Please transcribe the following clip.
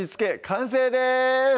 完成です